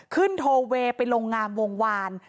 ขึ้นโทเวไปลงงามวงวาน